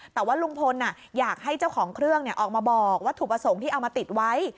แต่ว่าลุงพลอยากให้เจ้าของเครื่องออกมาบอกวัตถุประสงค์ที่เอามาติดไว้